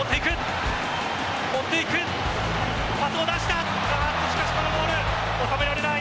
しかしこのボール収められない。